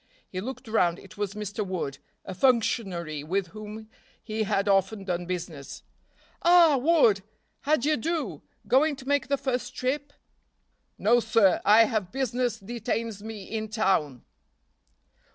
He looked round, it was Mr. Wood, a functionary with whom he had often done business. "Ah, Wood! how d'ye do? Going to make the first trip?" "No, sir! I have business detains me in town."